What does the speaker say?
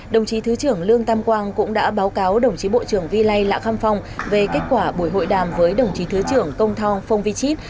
đồng chí thứ trưởng lương tam quang cũng đã báo cáo đồng chí bộ trưởng vi lây lạ kham phong về kết quả buổi hội đàm với đồng chí thứ trưởng công thong phong vi chít